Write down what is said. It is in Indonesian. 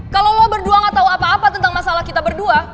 kalau lo berdua gak tahu apa apa tentang masalah kita berdua